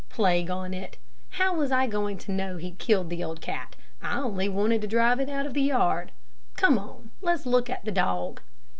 Plague on it, how was I going to know he'd kill the old cat? I only wanted to drive it out of the yard. Come on, let's look at the dog."